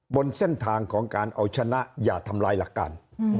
บนเส้นทางของการเอาชนะอย่าทำลายหลักการ